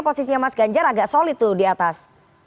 posisinya mas ganjar agak solid tuh di atas